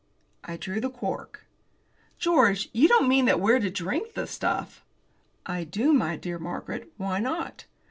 I drew the cork. "George, you don't mean that we're to drink the stuff?" "I do, my dear Margaret, why not?